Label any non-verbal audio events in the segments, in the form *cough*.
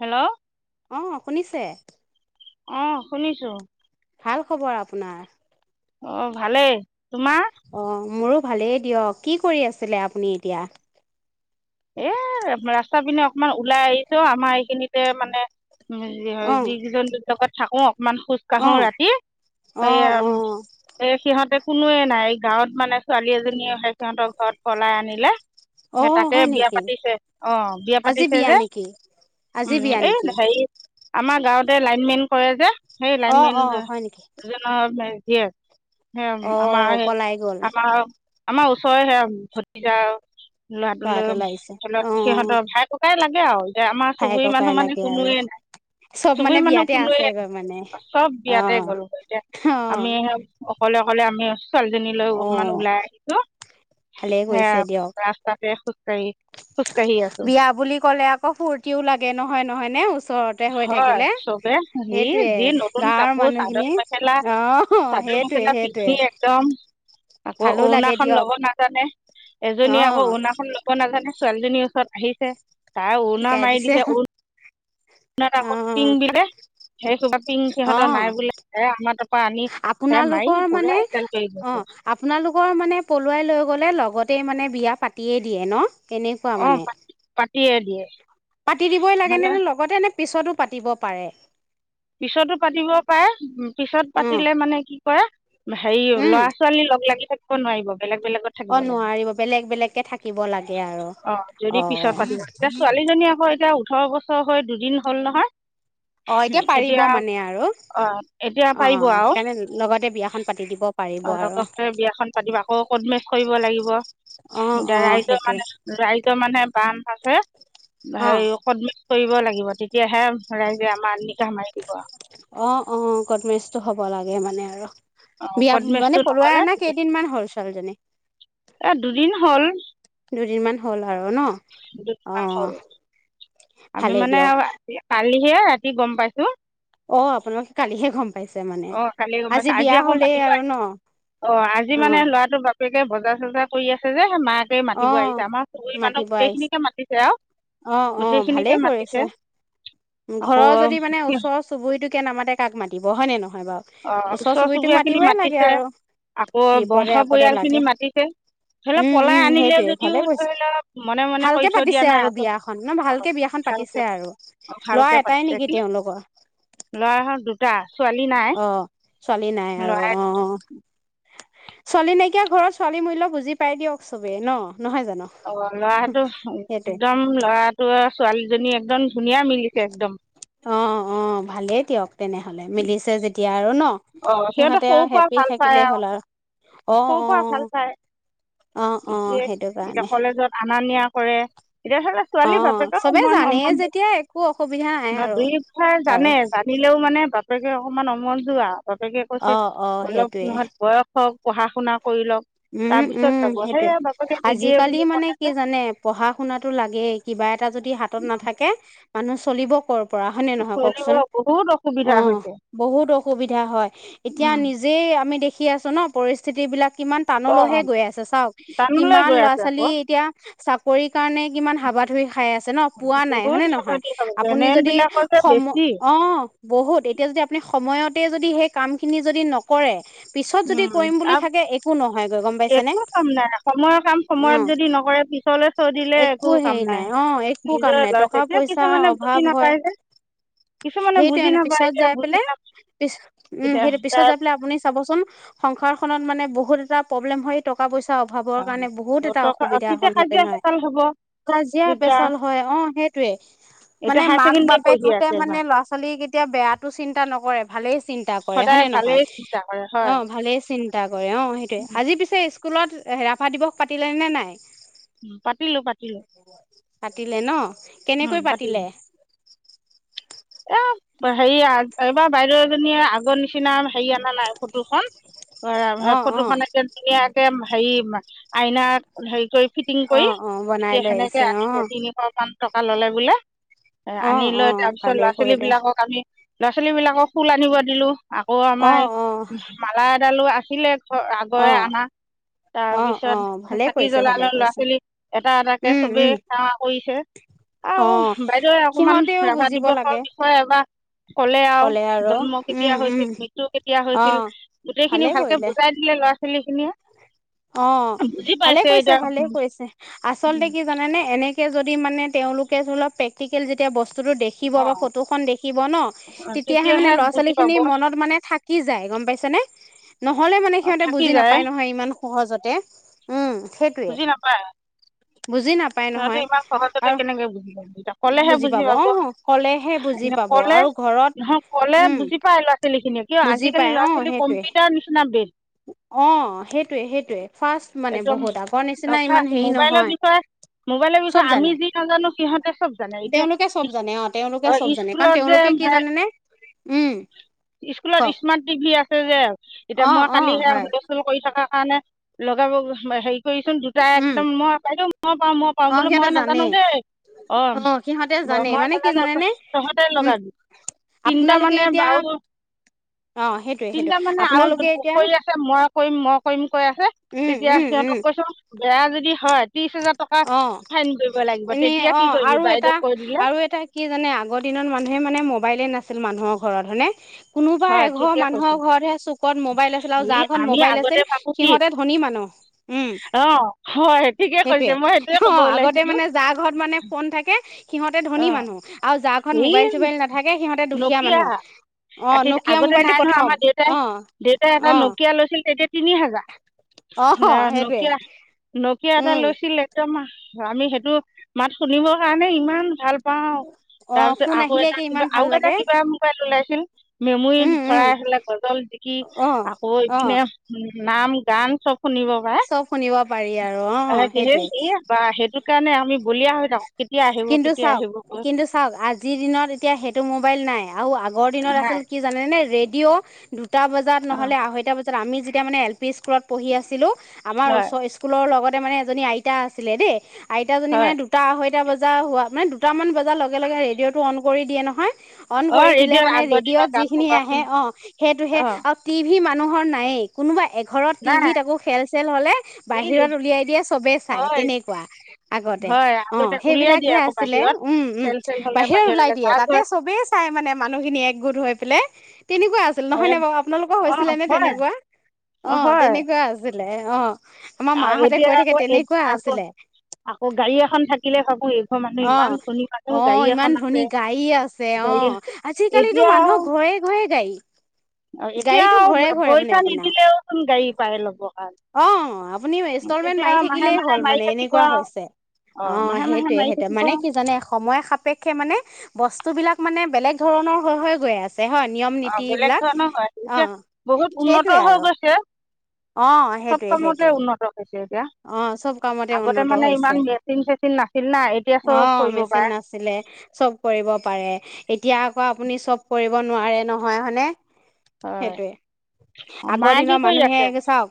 Hello. অ', শুনিছে? অ', শুনিছোঁ। ভাল খবৰ আপোনাৰ? অ', ভালেই তুম অ', মোৰো ভালেই দিয়ক, কি কৰি আছিলে আপুনি এতিয়া? এ ৰাস্তা পিনে অকমান ওলাই আহিছোঁ আমাৰ এইখিনিতে মানে যি অ হয় যিকিজন *unintelligible* থাকোঁ অ'। ইমান খোজ অ কঢ়ো ৰাতি অ অ এইয়া সিহঁতে কোনোৱে নাই, গাঁৱত মানে ছোৱালী এজনীয়ে সে সিহঁতৰ ঘৰত পলাই আনিলে। অ'। এ হয় বিয়া নেকি পাতিছে অ', বিয়া আজি পাতিছে যে নেকি আজি উম, বিয়া এই নেকি হেৰি আমাৰ গাঁৱতে লাইনমেন কৰে যে। সেই অ অ লাইনমেনজ হয় নেকি জনৰ *unintelligible* *unintelligible* অ *unintelligible* পলাই গ'ল আমাৰ-আমাৰ আমাৰ ওচৰে সেয়া ভতিযা আৰু ল'ৰা এটা লাগিছে অ *unintelligible* সিহঁতৰ ভাই ককাই লাগ *unintelligible* এতিয়া আমাৰ ভাই চুবুৰী ককাই মানুহ মানে লাগে আৰু কোনোৱে নাই, চব চুবুৰী মানে মানুহ বিয়াতে কোনোৱে নাই আছেগৈ মানে চব অ বিয়াতে গ'ল, এতিয়া অ আমি অকলে-অকলে আমি ছোৱালীজনীলৈ অ অকমান ওলাই আহিছো ভালেই সেয়া কৰিছে দিয়ক ৰাস্তাত *unintelligible* খুজ কাঢ়ি বিয়া বুলি ক'লে আকৌ ফুৰ্তিও লাগে নহয় নহয় নে ওচৰতে হৈ হয় থাকিলে চবে হেৰি সেইটোৱে যি নতুন গাঁৱৰ কাপোৰ চাদৰ মানুহখিনি মেখেলা- অহ চাদৰ সেইটোৱে মেখেলা সেইটোৱে পিন্ধি একদম আকৌ ভালো লাগে অৰুণাখন দিয়ক ল'ব নাজানে, এজনী অ আকৌ অৰুণাখন ল'ব নাজানে। ছোৱালীজনীৰ ওচৰত আহিছে তাই উৰুণা মাৰি দিছে উৰু অৰুণাত আকৌ পিং দিলে সেই *unintelligible* অঁ নাই বোলে হে আমাৰ তাৰ পৰা আনি হে মাৰি আপোনালোকৰ পুৰা মানে এদাল কৰি গৈছে অঁ, আপোনালোকৰ মানে পলুৱাই লৈ গ'লে লগতেই মানে বিয়া পাতিয়েই দিয়ে ন। তেনেকুৱা মানে। দিয়ে-দিয়ে। পাতি দিবই লাগে নে- নে লগতে নে পিছতো পাতিব পাৰে। পিছতো পাতিব পাৰে, পিছত উম পাতিলে মানে কি কৰে হেৰি উম ল'ৰা ছোৱালী লগ লাগি থাকি ব নোৱাৰিব। বেলেগ বেলেগত অ থাকিব লাগে, নোৱাৰিব বেলেগ বেলেগকে থাকিব লাগে আৰু অ' যদি পিছত পাতিব লাগে, এতিয়া ছোৱালীজনী আকৌ এতিয়া ওঠৰ বছৰ হৈ দুদিন হ'ল নহয়। অঁ এতিয়া উম, পাৰি এতিয়া অঁ এতিয়া পাৰিব আৰু সেইকাৰণে লগতে বিয়াখন পাতি দিব পাৰিব অঁ আৰু লগতে বিয়াখন পাতিব আকৌ কটমেৰেজ কৰিব লাগিব, অ এতিয়া অ ৰাইজৰ সেইটোৱে মানে- ৰাইজৰ মানে *unintelligible* আছে। অ *unintelligible* কৰিব লাগিব, তেতিয়াহে ৰাইজে আমাৰ *unintelligible* অঁ-অঁ কটমেৰেজটো হ'ব লাগ গে মানে আৰু। অঁ বিয়া কদমেচটো মানে পলুৱাই নহ'লে আনা কেইদিনমান হ'ল ছোৱালীজনী? এ দুদিন হ'ল। দুদিন মান হ'ল আৰু ন? দুদিনমান হ'ল অ'। আমি ভালেই মানে দিয়ক আৰু কালি সেয়া ৰাতি গম পাইছোঁ অ', আপোনালোকে কালিহে গম পাইছে মানে অ', কালি গম পাইছোঁ, আজি বিয়া আকৌ হ'লেই মাতিব আৰু ন অ', আজি মানে অ', ল'ৰাটো বাপেক বজাৰ, চজাৰ কৰি আছে যে, মাক তে মাতিব আহিছে, অ', আমাৰ চুবুৰী মানুহ মাতিব আহিছে গোটেইখিনিকে মাতিছে আৰু অ', অ', গোটেইখিনিকে ভালেই কৰিছে মাতিছে। আকৌ ঘৰৰ যদি মানে ওচৰ চুবুৰীটোকে নামাতে কাক মাত টিব হয়নে, ন অ', ওচৰ চুবুৰীয়া খিনি মাতিছে, আৰু আকৌ বিপদে বংশ আপদে পৰিয়াল লাগে খিনি মাতিছে, ধৰি লওঁক উম, পলাই উম, আনিলে সেইটোয়ে ভালে যদিও কৰিছে ধৰি লওঁক মনে, মনে ভালকে কৰি থৈ দিয়া পাতিছে আৰু নাই আছ বিয়াখন ন ভালকে অ', বিয়াখন পাতিছে ভালকে আৰু *unintelligible* ল'ৰা ভালকে এটাই পাতিছে নেকি কি তেওঁলোকৰ ল'ৰা *unintelligible* দুটা ছোৱালী নাই অ ছোৱালী নাই আৰু ল'ৰাই অ'। ছোৱালী নাইকিয়া ঘৰত ছোৱালী মূল্য বুজি পাই দিয়ক চবে ন। নহয় জানো অ', ল'ৰাটো সেইটোৱে একদম ল'ৰাটোৱে ছোৱালীজনী একদম ধুনিয়া মিলিছে একদম। অ অ ভালেই দিয়ক তেনেহ'লে মিলিছে যেতিয়া আৰু ন'। অ', সিহঁতে সৰু আৰু পৰা হেপি ভাল পায় থাকিলেই হ'ল আৰু আৰু অ সৰু অ পৰা ভাল পায়ে, অ অ সেইটো এতিয়া কাৰণে কলেজত আনা নিয়া কৰে, এতিয়া ধৰি লোৱা অ ছোৱালীৰ বাপেকেও চবে অমান জানেই অমন্ত যেতিয়া একো অসুবিধা নাই ন' আৰু দুয়ো কথাই বাৰু জানে জানিলেও মানে বাপে তেকে অকণমান অমন্জুৰ আও। বাপেকে কৈছে অ অ অলপ সেইটোৱে নহত বয়স হওঁক। পঢ়া-শুনা উম, উম, সেইটোৱে বাপেকে নিদিয়ে আজিকালি বুলি মানে ক'লে যে কি জানে পঢ়া-শুনাটো লাগে, কিবা এট টা যদি হাতত নাথাকে মানুহ চলিব কৰ পৰা হয় নে নহয় চলিব কওঁকচোন, বহুত অসুবিধা অ', হৈছে বহুত অসুবিধা হয় এতিয়া উম নিজেই আমি দেখ কি আছো ন পৰিস্থিতি বিলাক কিমান অ টানলৈহে অ গৈ আছে চাওক টানলৈ কিমান গৈ ল'ৰা আছে ছোৱালী আকৌ এতিয়া চাকৰি কাৰণে কিমান হাবা ধুৰি খাই আছে। আছে ন পোৱা নাই বহুত হয়নে নহয় আপুনি যদি জেনেৰেলবিলাকৰ যে সম বেছি অ বহুত এতিয়া যদি আপুনি সময়ত যদি সেই কাম খিনি যদি নকৰে পিছত যদি উম কৰিম বুলি আ- থাকে নহয়গৈ গম পাইছেনে একো কাম নাই সময়ৰ কাম সময়ত অ', যদি নকৰে পিছলে চৈ দিলে একো কাম হেৰি নাই অ', একো কাম নিজৰ নাই ল'ৰা ছোৱী টকা এতিয়া পইচা কিছুমানে বুজি অভাৱ হয় নাপায় যে কিছুমানে বুজি সেইটোৱে নাপায় পিছত এতিয়া যাই বুজি পেলাই নাপায় এতিয়া তাই সংসাৰ খত মানে বহুত বহুত এটা প্ৰব্লেম টকা পইচা অভাৱৰ কাৰণে বহুত অ এটা টকা অসুবিধাৰ তেতিয়া সন্মুখীন কাজিয়া হয় চেতাল হ'ব কাজিয়া তেতিয়া পেচাল হয় অ সেইটয়ে মানে এতিয়া হায়াৰ মাক ছেকেণ্ডেৰী বাপেক পঢ়ি হতে আছে মানে এইবাৰ ল'ৰা ছোৱালী কেতিয়া বেয়াতটো চিন্তা নকৰে ভালেই চিন্তা কৰে সদায় হয়নে নহয় ভালেই চিন্তা কৰে অ হয় ভালেই চিন্তা কৰে অ আজি পিছে স্ স্কুলত ৰাভা দিৱস পাতিলে নে নাই। পাতিলো পাতিলো। পাতিলে ন। কেনেকৈ পাতিলে। এ হেৰি এইবাৰ বাইদেউ এজনীয়ে আগৰ নিচিনা হেৰি অনা নাই ফটোখন। অ', অ'। ফটোখন এক ধুনীয়া হেৰি, আইনাক হেৰি কৰি ফিটিং অ কৰি অ বনাই এতিয়া লৈ আহিছে সেনেকে অ আছে তিনিশ খন টকা ল'লে বোলে। এ অ আনি অ লৈ তাৰ পিছত লৰা ভালেই ল' ছোৱালী কৰিলে বিলাকক আমি ল' ছোৱালী বিলাককুল *unintelligible* আকৌ অ আমাৰ অ মালা ডালো আহিলে। অ আগৰে আনা অ অ তাৰপিছত ভালে চাকি কৰিছে ভালে জ্বলালালে ল'ৰা কৰিছে ছোৱালী এটা এটাকে উম চবেই উম সেৱা কৰিছে অ আৰু বাইদেৱে অকমান সিহঁতেও ৰাভা বুজিব লাগে দিৱস বিষয় এবাৰ কলে আৰু জন্ম কেতিয়া হৈছিল মৃত্যু কেতিয়া অ হৈছিল ভালে গোটেইখিনি ভালকে কৰিলে বুজাই দিলে ল'ৰা ছোৱালী *unintelligible* অ, ' ভালে কৈছে ভালে কৈছে আচলতে কি জানোনে এনে যদি মানে তেওঁলোকে ধলপ প্ৰেক্টিকেল যেতিয়া বস্তু বস্তুো দেখিব বা অঁ ফটোখনন দেখিব ন তেতিয়াহে মানে ল'ৰা বুজি ছোৱালী খিনি পাব মনত মানে থাকি যায় গম পাইছে নে। নহ'লে মানে সিহঁতে থাকি বুজি যায় নাপায় নহয় ইমান সহজতে, উম। সেইটোৱে বুজি নাপায়। বুজি নাপায় সিহঁতে নহয় ইমান সহজতে আৰু কেনেকে বুজি পাব এতিয়া কলেহে বুজি পাব অ', ক'লেহে এ বুজি পাব কলে আৰু ঘৰত নহয় কলে উম, বুজি পায় ল'ৰা ছোৱালীখিনিক। বুজি পাই অ'সেইটোৱে, বেষ্ট অ' সেইটোয়ে সেইটোয়ে ফাৰ্ষ্ট মানে বহুত আৰু। অ' ফাৰ্ষ্ট মোবাইলৰ বিষয়ে মোবাইলৰ চব বিষয়ে আমি জানে। যি নাজানো সিহঁতে চব জানে এতিয়া তেওঁলোকে চব জানে অ', তেওঁলোকে অ' চব জানে কাৰণ স্কুলত যে তেওঁলোকে কি ভাই জানেনে উম, স্কুলত কওক স্মাৰ্ট টিভি আছে যে এতিয়া অ', মই অ', কালিহে হয় হুলস্থুল কৰি থকা কাৰণে লগে অ'হেৰি ই চোন দুটা উম, একদম মই বাইদেউ মই পাৰু মই পাৰু অ', বোলো মই সিহঁতে নাজানো জানেই দেই অ', সিহঁতে জানে মই মানে কি নাজানো জানেনে তহঁতে উম, লগাবি তিনিটা আপোনালোকে মানে এতিয়া বাৰু অ', সেইটোৱে সেইটোৱে তিনটা মানে আৰু আপোনালোকে এতিয়া কৰি আছে মই কৰিম মই কৰিম কৈ আছে উম তেতিয়া উম সিহঁতক উম বেয়া যদি হয়। ত্ৰিছ হাজাৰ টকা অ', ফাইন কৰিব লাগিব এনে তেতিয়া কি অ' কৰিবি আৰু এটা বাইদেউক কৈ দিলে আৰু এটা কি জানে আগৰ দিনত মানুহে মানে মবাইলে নাচা ইছিল মানুহৰ ঘৰত হইনে? কোনোবা হয় এঘৰ ঠিকে মানুহৰ কৈছোঁ ঘৰতহে চুকত মোবাইল আছিল আৰু ই যাৰ ঘৰত আমি মোবাইল আগতে আছিল ভাবো কি সিহঁতে ধনী মানুহ উম অ হয় ঠিকে সেইটোৱে। কৈছে মই ক'ব অ' আগতে ওলাইছিলোঁ মানে যাৰ ঘৰত মানে ফোন থাকে, সিহঁতে অ ধনী মানুহ, আৰু যাৰঘৰত এই মোবাইল চোবাইল নাথাকে সিহঁতে দুখীয়া নকিয়া মানুহ। অ' আতিত নকিয়া আগতে নাই মোবাইলটো নহয় আমাৰ প্ৰথম। দেউতাই অ', দেউতাই এটা অ'। নকিয়া লৈছিল তেতিয়া তিনি হাজাৰ। অ নে সেইটোৱে নকিয়া, নকিয়া এটা উম লৈছিল একদম আমি সেইটো মাত শুনিবৰ কাৰণে ইমান ভাল পাও, অ তাৰপিছত ফোন আকৌ আহিলে এটা কি কিবা ইমান ভাল আৰু এটা লাগে কিবা মোবাইল ওলাইছিল, মেমৰি উম উম ভৰাই থলে গজল জিকি অ আকৌ অ এইপিনে নাম গান চব। শুনিব পাৰে। চব শুনিব পাৰি আৰু অ' সেইটোৱে। ই এ বা সেইটো কাৰণে আ বলিয়া হৈ থাকো কেতিয়া আহিব কিন্তু কেতিয়া- চাওক, কৈ কিন্তু চাওক আজিৰ দিনত এতিয়া সেইটো মোবাইল নাই। আৰু আগৰ দিনত নাই আচিল কি জানেনে ৰেডিঅ'। দুটা বজাত অ', নহ'লে আঢ়ৈটা বজাত, আমি যেতিয়া মানে এল পি স্কুলত পঢ়ি আছিলো আমাৰ হয়, ওচৰ স্কুলৰ লগত মানে এজনী আইতা আছিলে দেই। আইতাজনী হয়, মানে আঢ়ৈটা বজা হোৱা মানে দুটামান বজাৰ লগে লগে ৰেডিঅ'টো অন কৰি দিয়ে নহয়। অন কৰি অ', দিলে ৰেডিঅ'ৰ মানে আগৰ দিনৰ ৰেডিঅ'ত গান যিখিনি সোপা আহে শুনো অ' সেইটোহে অ', মানুহৰ নায়ে কোনোবা এক ঘৰত নাই টিভিত আকৌ খেল চেল হলে এই বাহিৰত উলিয়াই দিয়ে চবে চাই হয়, তেনেকুৱা আগতে। হয়, অ আগতে উলিয়াই দিয়ে সেইবিলাকহে আকৌ আছিলে বাহিৰত উম উম খেল চেল হ'লে বাহিৰৰে ওলাই বাহিৰলে দিয়ে তাৰ তাতে ঘৰত চবেই চাই মানে মানুহখিনি একগোট হৈ পেলাই। *inaudible* তেনেকুৱা আছিল নহয় এক নাই বাৰু আপোনালোকৰ হৈছিলে অ', নে হয়, তেনেকুৱা? অ হয়, তেনেকুৱা আছিল। দে অঁ। আৰু এতিয়া আকৌ এ আকৌ, আছিলে আকৌ গাড়ী এখন থাক শাকিলে শা অ অ ইমান আছে ধনী গাড়ী আছে অ গাড়ী আছে আজিকালিতো এতিয়া মানুহৰ ঘৰে ঘৰে গাড়ী, আও এতিয়া গাড়ীটো আও ঘৰে ঘৰে মানে পইচা আপোনাৰ, নিদিলেওচোন গাড়ী পাই ল'ব কাৰণে অঁ আপুনি ইনষ্টলমেন্ট তেতিয়া মাৰি মাহে থাকিলেই মাহে হ'ল মাৰি মানে থাকিব এনেকুৱা আৰু হৈছে অ', অঁ মাহে সেই মাহে য়ে মাৰি সেতে থাকিব মানে আৰু কি জানে সময় সাপেক্ষে মানে বস্তু বিলাক মানে বেলেগ ধৰণৰ হৈ হৈ গৈ আছে। হয় নিয়ম অ নীতি বেলেগ বিলাক ধৰণৰ হয় অ' এতিয়া বহুত উন্নত সেইটোয়ে হৈ আৰু গৈছে, অ' চব সেইটোয়ে কামতে সেইটোয়ে উন্নত হৈছে। এতিয়া অ চব কামতে আগতে উন্নত মানে হৈছে, ইমান মেচিন চেচিন নাছিল না এতিয়া চব অঁ কৰিব মেচিন পাৰে নাছিলে চব কৰিব পাৰে এতিয়া আকৌ আপুনি চব কৰিব নোৱাৰে নহয় হয়নে? হয় সেইটোৱে আগৰ মায়ে কি দিনৰ কৰি মানুহে আছে চাওক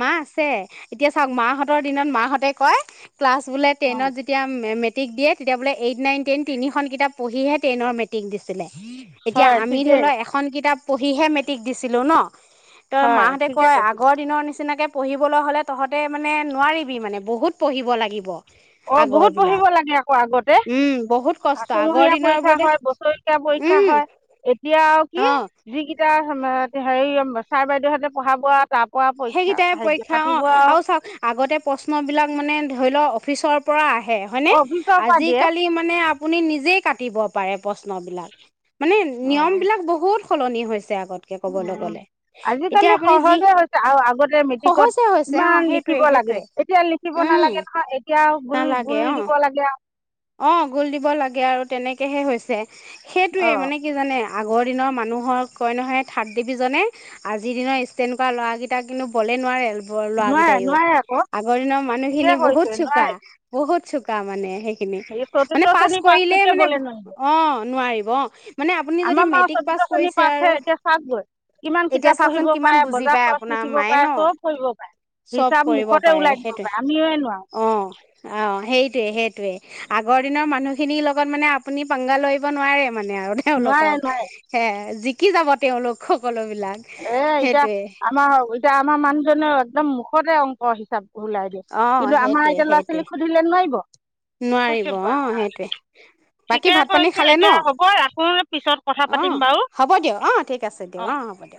মা আছে এতিয়া চাওক মাহঁতৰ দিনত মাহঁতে কয় ক্লাছ বোলে অ টেনত যেতিয়া মেট্ৰিক দে তেতিয়ালে এইট নাইন টন তিনিখন কিতাপ পঢ়িহে টেনৰ মেট্ৰিক দিছিলে। এতিয়া হয় আমি ধৰি ঠিকেই লও এখন কিতাপ পঢ়িহে মেট্ৰিক দিছিলোঁ ন? তই হয় মাহঁতে ঠিকে কয় কৈছে আগৰ দিনৰ নিচিনা নিচিনাকে পঢ়িবলৈ হ'লে তহঁত মানে নোৱাৰিবি মানে বহুত পঢ়িব লাগিব। অ আগৰ বহুত পঢ়িব বিলাক লাগে আকৌ আগতে উম বহুত কষ্ট আগৰ আাচুমহীয়া দিনৰ পৰীক্ষা বোৰতে হয় বছৰেকীয়া পৰীক্ষা উম হয় এতিয়া আৰু কি অ যিকিটা, হেৰি ছাৰ বাইদউহঁতে পঢ়াব আৰু তাৰ পৰা পৰীক্ষা সেইকেইটাই পৰীক্ষা অ আৰু চাওক আগতে প্ৰশ্ন বিলাক মানে ধৰি লও অফিচৰ পৰা আহে। হয় নে? অফিচৰ পৰা দিয়ে আজালি মানে আপুনি নিজেই কাটিব পাৰে প্ৰশ্ন বিলাক মানে অ নিয়ম বিলাক বহুত সলনি হৈছে। আগতকে কবলৈ উম গ'লে এতিয়া আজিকালি আপুনি যি। সহজে হৈছে আৰু আগতে মেট্ৰিকত সহজে হৈছে অ ইমান সেইটোৱে লিখিব লাগে সেইটোৱে এতিয়া লিখিব উম নালাগে নহয় এতিয়াও গুল নালাগে গুল অ দিব লাগে আৰু। অ গোল দিব লাগে আৰু তেনেকেহে হৈছে। অ সেইটোয়ে মানে কি জানে। আগৰ দিনৰ মানুহক কয় নহয় থাৰ্ড ডিভিজনে আজিৰ দিনৰ ষ্টেণ্ড কৰা ল'ৰাকেইটাক কিন্তু বলেই নোৱাৰে। ব লোৱা নোৱাৰে কেইটাইও নোৱাৰে আকৌ আগৰ দিনৰ ঠিকে মানুহখিনি কৰিছে বহুত চোকা নোৱাৰে বহুত। চোকা মানে সেই। এই চতুৰ্থ মানে পাছ শ্ৰেণী কৰিলে পাছটোকে মানে বলে নোৱাৰিব অ নোৱাৰিব। অ। মানে আপুনি যদি আমাৰ মা মেট্ৰিক চতুৰ্থ পাছ শ্ৰেণী কৰিছে পাছহে আৰু এতিয়া চাওকগৈ কিমান এতিয়া কিতাপ চাওঁকচোন পঢ়িব পাৰে কিমান বুজি বজাৰ পায় খৰচ আপোনাৰ লিখিব মায়ে পাৰে নহ চব কৰিব পাৰে চব হিচাপ কৰিব মুখতে পাৰে ওলাই দিব সেইটোৱে পাৰে আমিয়ে নোৱাৰো অ অ সেইটোৱে সেইটোৱে। আগৰ দিনৰ মানুহখিনিৰ লগত মানে আপুনি পাংগা লৰিব নোৱাৰে। মানে আৰু নোৱাৰে তেওঁলোকক নোৱাৰে সেয়ে যি। কি যাব তেওঁলোক সকলো। বিলাক এ এতিয়া সেইটোৱে আমাৰ এতিয়া আমাৰ মানুহজনে একদম। খতে অংক হিচাপ। ওলাই দিয়ে অ', কিন্তু আমাৰ সেইটোৱে এতিয়া সেইটোৱে ল'ৰা-ছোৱালীক সুধিলে নোৱাৰিব নোৱাৰিব কৈছে ব অ', সেইটোৱে বাকী ঠিকে ভাত পানী কৈছে খালে ন এতিয়া হ'ব আকৌ পিছত কথা অ', পাতিম বাৰু হ'ব দিয়ক অ', ঠিক আছে দিয়ক অ। হ'ব দিয়ক